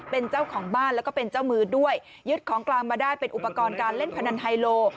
เป็นเจ้าของบ้านแล้วก็เป็นเจ้ามือด้วยยึดของกลางมาได้เป็นอุปกรณ์การเล่นพนันไฮโล